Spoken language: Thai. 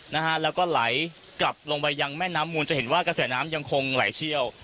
นะฮะแล้วก็ไหลกลับลงไปยังแม่น้ำมูลจะเห็นว่ากระแสน้ำยังคงไหลเชี่ยว